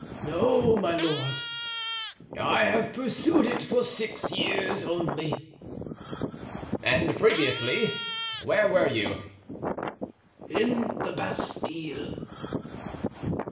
"No, my lord. I have pursued it for six years only." "And previously, where were you?" "In the Bastile."